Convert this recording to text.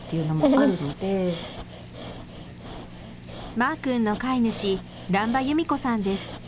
マーくんの飼い主、乱場裕美子さんです。